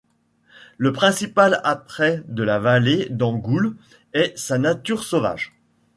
Le principal attrait de la vallée d'Angouls est sa nature sauvage.